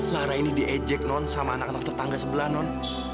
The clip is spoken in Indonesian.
lara ini diejek non sama anak anak tetangga sebelah non